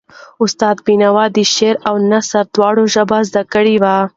استاد بینوا د شعر او نثر دواړو ژبه زده کړې وه.